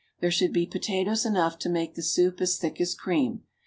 There should be potatoes enough to make the soup as thick as cream.